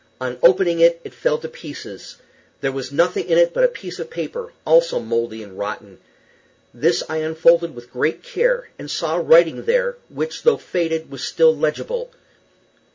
On opening it, it fell to pieces. There was nothing in it but a piece of paper, also mouldy and rotten. This I unfolded with great care, and saw writing there, which, though faded, was still legible.